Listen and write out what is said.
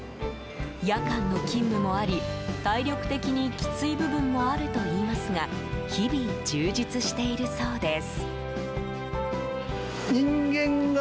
夜間の勤務もあり、体力的にきつい部分もあるといいますが日々、充実しているそうです。